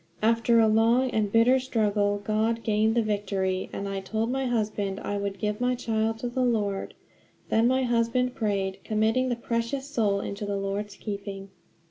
After a long and bitter struggle God gained the victory, and I told my husband I would give my child to the Lord. Then my husband prayed, committing the precious soul into the Lord's keeping.